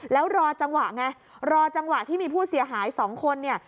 แล้วรอจังหวะไงรอจังหวะที่มีผู้เสียหายสองคนเนี่ย